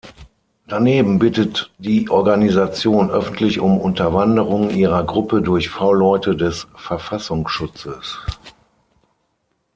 Daneben bittet die Organisation öffentlich um Unterwanderung ihrer Gruppe durch V-Leute des Verfassungsschutzes.